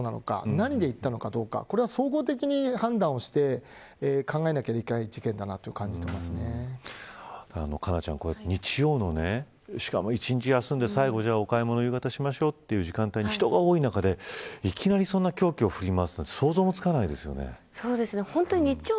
何で行ったのかこれは総合的に判断して考えなきゃいけない事件だな佳菜ちゃん、日曜のしかも一日、休んで最後、お買い物、夕方しましょうという時間帯に人が多い中で、いきなりそんな凶器を振り回すなんて想像もつかないですよね。